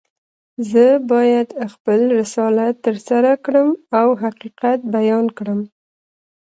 زه باید خپل رسالت ترسره کړم او حقیقت بیان کړم.